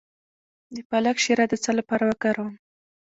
د پالک شیره د څه لپاره وکاروم؟